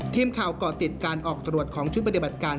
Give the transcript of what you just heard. ทีมข่าวก่อติดการออกตรวจของชุดบรรยบัติการ